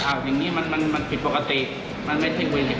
อันนี้มันผิดปกติมันไม่ถึงไว้ซึ่ง